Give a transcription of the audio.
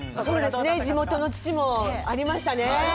地元の土もありましたね。